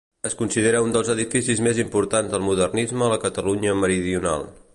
Es considera un dels edificis més importants del modernisme a la Catalunya meridional.